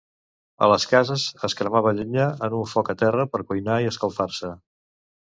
A les cases es cremava llenya en un foc a terra, per cuinar i escalfar-se.